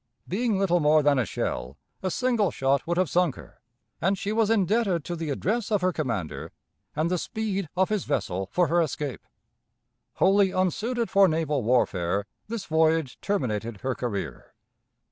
Being little more than a shell, a single shot would have sunk her; and she was indebted to the address of her commander and the speed of his vessel for her escape. Wholly unsuited for naval warfare, this voyage terminated her career.